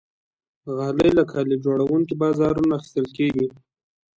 غالۍ له کالي جوړونکي بازارونو اخیستل کېږي.